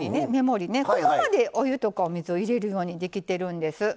ここまで、お湯とかお水を入れるようにできているんです。